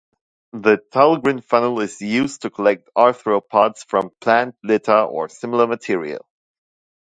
The Tullgren funnel is used to collect arthropods from plant litter or similar material.